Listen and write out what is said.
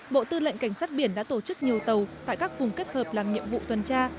bộ tư lệnh cảnh sát biển đã tổ chức nhiều tàu tại các vùng kết hợp làm nhiệm vụ tuần tra